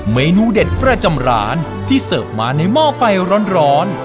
เมนูเด็ดประจำร้านที่เสิร์ฟมาในหม้อไฟร้อน